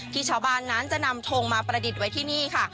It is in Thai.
ชาวบ้านนั้นจะนำทงมาประดิษฐ์ไว้ที่นี่ค่ะ